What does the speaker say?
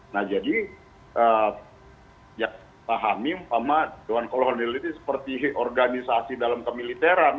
nah jadi ya pahami sama dengan kolonialitas seperti organisasi dalam pemiliteran